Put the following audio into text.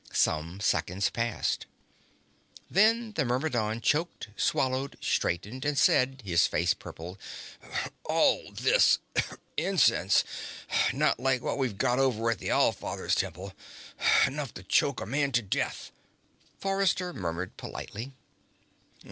Some seconds passed. Then the Myrmidon choked, swallowed, straightened and said, his face purple: "All this incense. Not like what we've got over at the All Father's Temple. Enough to choke a man to death." Forrester murmured politely.